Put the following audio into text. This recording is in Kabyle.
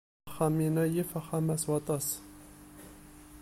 Axxam inna yif axxam-a s waṭas.